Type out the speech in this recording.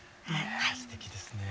すてきですねぇ。